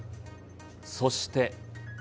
そして。